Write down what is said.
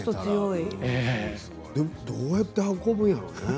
どうやって運ぶんやろうね。